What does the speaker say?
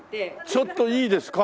ちょっといいですか？